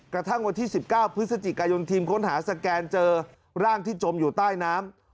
กระทั่งวันที่๑๙พฤศจิกายนทีมค้นหาสแกนเจอร่างที่จมอยู่ใต้น้ำ